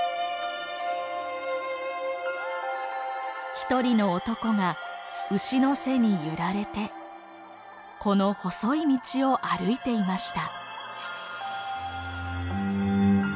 一人の男が牛の背に揺られてこの細い道を歩いていました。